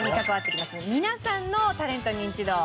皆さんのタレントニンチド。